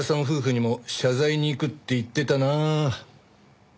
夫婦にも謝罪に行くって言ってたなあ。